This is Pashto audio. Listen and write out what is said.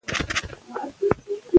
پر نر او ښځي اوري دُرې دي